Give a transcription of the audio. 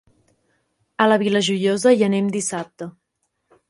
A la Vila Joiosa hi anem dissabte.